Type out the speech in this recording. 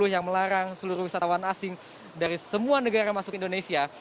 yang melarang seluruh wisatawan asing dari semua negara masuk indonesia